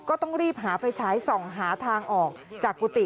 ก็ต้องรีบหาไฟฉายส่องหาทางออกจากกุฏิ